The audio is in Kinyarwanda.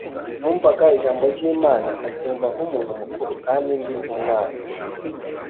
Numvaga ijambo ry’Imana nkaryumva nk’umuntu mukuru kandi ndi umwana